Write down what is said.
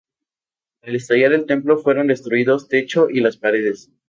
Al estallar el templo fueron destruidos techo y las paredes.